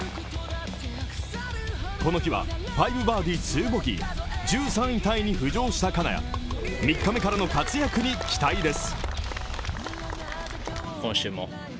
この日は５バーディ２ボギーで１３位タイに浮上した金谷３日目からの活躍に期待です。